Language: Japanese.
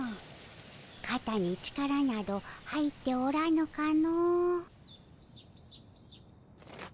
かたに力など入っておらぬかの。